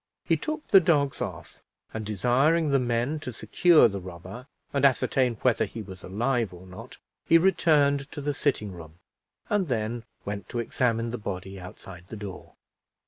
He took the dogs off; and desiring the men to secure the robber, and ascertain whether he was alive or not, he returned to the sitting room, and then went to examine the body outside the door.